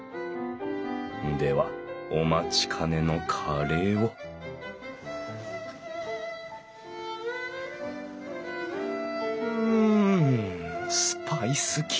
ではお待ちかねのカレーをうんスパイスきいてる！